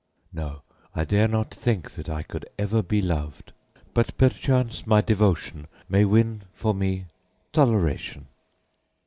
"No, I dare not think that I could ever be loved; but perchance my devotion may win for me toleration.